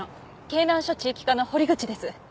京南署地域課の堀口です。